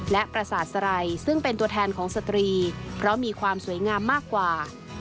และประสาทสไรซึ่งเป็นตัวแทนของสตรีเพราะมีความสวยงามมากกว่า